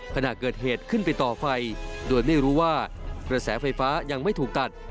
ขณะเกิดเหตุขึ้นไปต่อไฟโดยไม่รู้ว่ากระแสไฟฟ้ายังไม่ถูกตัด